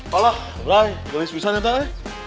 kalau beli spesialnya tani